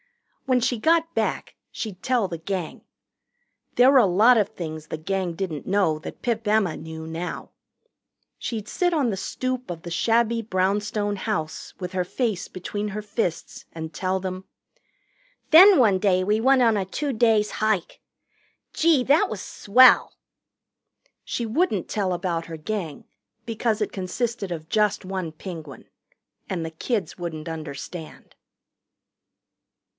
When she got back, she'd tell the Gang. There were a lot of things the Gang didn't know that Pip Emma knew now. She'd sit on the stoop of the shabby brownstone house, with her face between her fists, and tell them: "Then, one day, we went on a two days' hike. Gee, that was swell!" She wouldn't tell about her Gang, because it consisted of just one Penguin. And the kids wouldn't understand.